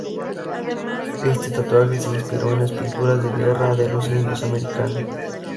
Este tatuaje se inspiró en las pinturas de guerra de los indios americanos.